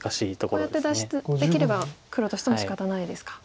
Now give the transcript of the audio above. こうやって脱出できれば黒としてもしかたないですか。